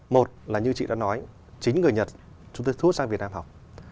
một là như chị đã nói chính người nhật chúng tôi thu hút sang việt nam học